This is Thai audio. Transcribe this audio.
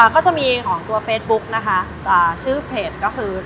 ก็จะมีของตัวเฟซบุ๊กนะคะชื่อเพจก็คือ